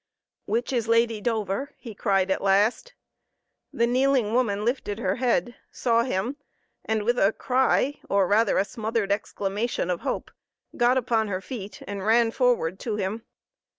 "Which is Lady Dover?" he cried at last. The kneeling woman lifted her head, saw him, and with a cry, or rather a smothered exclamation of hope, got upon her feet and ran forward to him.